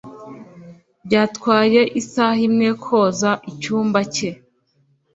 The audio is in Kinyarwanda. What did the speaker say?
Byatwaye isaha imwe koza icyumba cye.